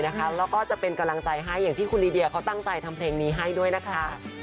แล้วก็จะเป็นกำลังใจให้อย่างที่คุณลีเดียเขาตั้งใจทำเพลงนี้ให้ด้วยนะคะ